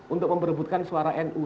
untuk memperebutkan suara nu